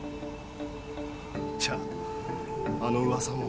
じゃああの噂も。